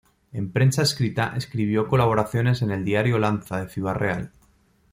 En prensa escrita escribió colaboraciones en el "Diario Lanza" de Ciudad Real.